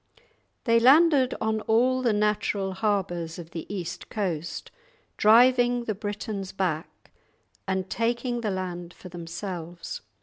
They landed on all the natural harbours of the east coast, driving the Britons back and taking the land for themselves.